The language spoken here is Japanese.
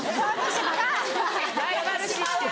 ・ライバル視してる・